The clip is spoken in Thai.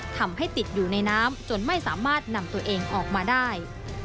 ทำให้ติดอยู่ในน้ำจนไม่สามารถนำตัวเองออกมาได้